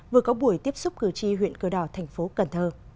vừa có buổi tiếp xúc cử tri huyện cờ đỏ tp cn